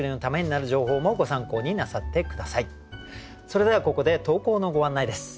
それではここで投稿のご案内です。